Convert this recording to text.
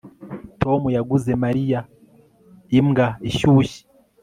Tom yaguze Mariya imbwa ishyushye